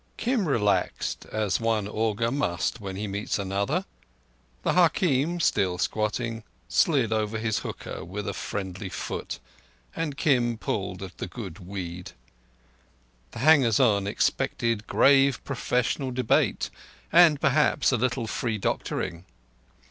Kim relaxed, as one augur must when he meets another. The hakim, still squatting, slid over his hookah with a friendly foot, and Kim pulled at the good weed. The hangers on expected grave professional debate, and perhaps a little free doctoring.